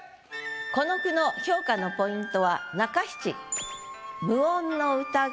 この句の評価のポイントは中七。